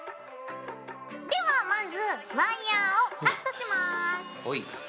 ではまずワイヤーをカットします。